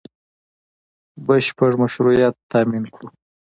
بشپړ مشروعیت تامین کړو